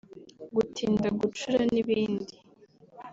gutinda gucura n’ibindi